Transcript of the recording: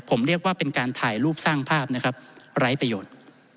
ผมเรียกว่าเป็นการถ่ายรูปสร้างภาพนะครับไร้ประโยชน์